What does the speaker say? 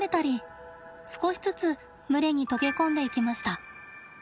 少しずつ群れに溶け込んでいきました。